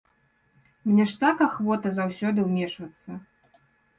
Мне ж так ахвота заўсёды ўмешвацца!